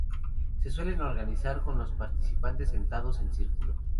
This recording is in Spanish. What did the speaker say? Se suelen organizar con los participantes sentados en círculo.